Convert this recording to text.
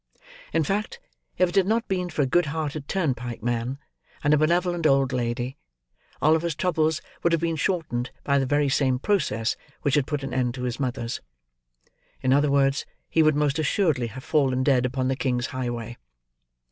In fact, if it had not been for a good hearted turnpike man, and a benevolent old lady, Oliver's troubles would have been shortened by the very same process which had put an end to his mother's; in other words, he would most assuredly have fallen dead upon the king's highway.